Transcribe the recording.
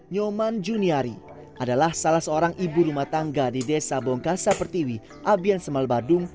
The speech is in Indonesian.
nyoman juniari adalah salah seorang ibu rumah tangga di desa bongkasa pertiwi abian semal badung